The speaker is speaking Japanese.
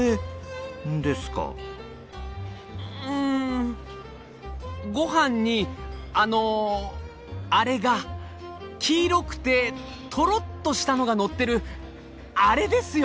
んごはんにあのアレが黄色くてトロッとしたのがのってるアレですよ！